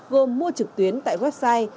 gồm mua trực tuyến tại website